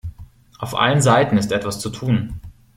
Auf allen Seiten ist etwas zu tun.